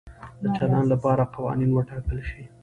د چلند لپاره قوانین وټاکل شي.